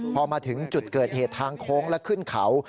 พอมาถึงจุดเกิดเหตุทางโค้งและขึ้นเขา